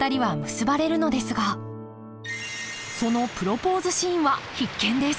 そのプロポーズシーンは必見です！